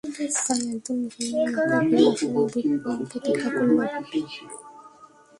তাই একদল মুসলমান মক্কায় ফিরে আসার প্রতিজ্ঞা করল।